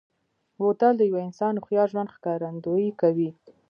بوتل د یوه انسان هوښیار ژوند ښکارندوي کوي.